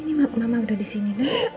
ini mama udah disini